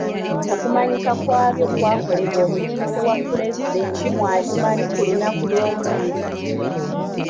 Okumanyika kwabyo kwakolebwa omukiise wa ppulezidenti mu Adjumani ku lunaku lw'okubiri.